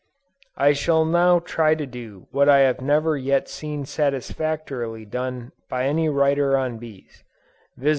I shall now try to do what I have never yet seen satisfactorily done by any writer on bees; viz.